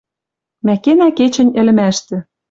Мӓ кенӓ кечӹнь ӹлӹмӓштӹ.